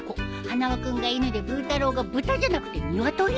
花輪君が犬でブー太郎が豚じゃなくて鶏？